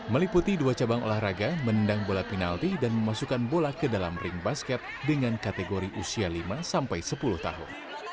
meliputi dua cabang olahraga menendang bola penalti dan memasukkan bola ke dalam ring basket dengan kategori usia lima sampai sepuluh tahun